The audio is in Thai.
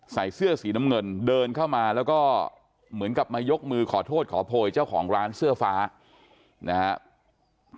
ใส่เสื้อสีน้ำเงินเดินเข้ามาแล้วก็เหมือนกับมายกมือขอโทษขอโพยเจ้าของร้านเสื้อฟ้านะครับ